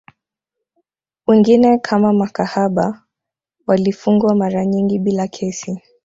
Wengine kama makahaba walifungwa mara nyingi bila kesi